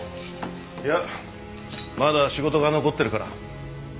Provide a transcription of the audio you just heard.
いやまだ仕事が残ってるから。